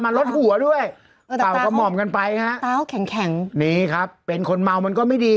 มาลดหัวด้วยเออแต่ตาเขาตาเขาแข็งแข็งนี่ครับเป็นคนเมามันก็ไม่ดี